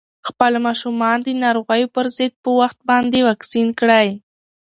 خپل ماشومان د ناروغیو پر ضد په وخت باندې واکسین کړئ.